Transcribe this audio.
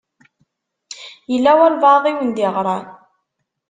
Yella walebɛaḍ i wen-d-iɣṛan?